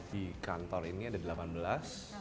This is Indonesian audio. di kantor ini ada delapan belas